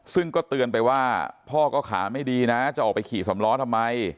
ซึ่งก็เตือนไปว่าพ่อก็ขาไม่ดีนะจะออกไปขี่สำล้อทำไม